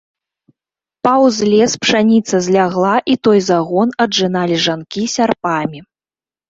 Паўз лес пшаніца злягла і той загон аджыналі жанкі сярпамі.